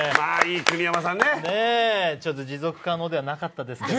国山さん、持続可能ではなかったですけどね。